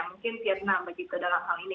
mungkin vietnam begitu dalam hal ini